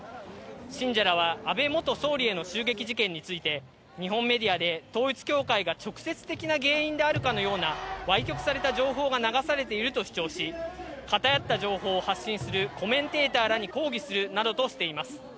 信者らは、安倍元総理への銃撃事件について、日本メディアで統一教会が直接的な原因であるかのようなわい曲された情報が流されていると主張し、偏った情報を発信するコメンテーターらを抗議するなどとしています。